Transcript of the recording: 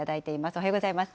おはようございます。